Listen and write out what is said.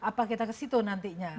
apa kita ke situ nantinya